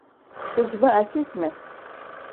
Kız mı erkek mi?